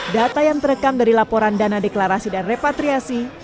data yang terekam dari laporan dana deklarasi dan repatriasi